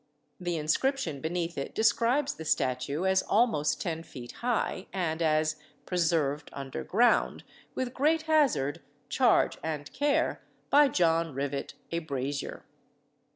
The inscription beneath it describes the statue as almost ten feet high, and as "preserved underground," with great hazard, charge, and care, by John Rivet, a brazier.